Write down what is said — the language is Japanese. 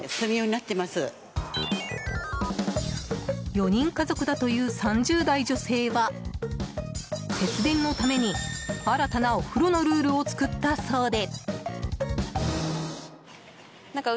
４人家族だという３０代女性は節電のために新たなお風呂のルールを作ったそうで。